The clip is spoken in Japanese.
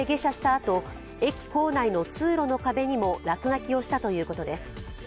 あと駅構内の通路の壁にも落書きをしたということです。